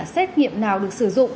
xét nghiệm nào được sử dụng